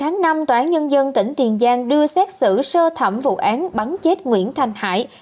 ngày một mươi năm tòa án nhân dân tỉnh tiền giang đưa xét xử sơ thẩm vụ án bắn chết nguyễn thanh hải